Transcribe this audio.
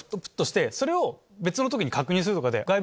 それを別の時に確認するとかで。